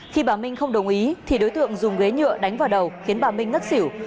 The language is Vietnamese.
khi bà minh không đồng ý thì đối tượng dùng ghế nhựa đánh vào đầu khiến bà minh ngất xỉu